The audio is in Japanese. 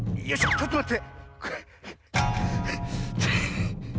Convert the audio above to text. ちょっとまって。